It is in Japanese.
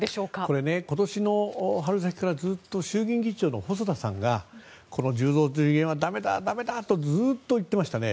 これ、今年の春先からずっと衆議院議長の細田さんがこれはだめだとずっと言っていましたね。